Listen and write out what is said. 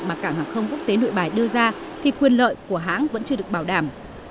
mà cảng hàng không quốc tế nội bài đưa ra thì quyền lợi của hãng vẫn chưa được bảo đảm